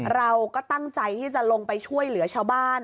เราก็ตั้งใจที่จะลงไปช่วยเหลือชาวบ้าน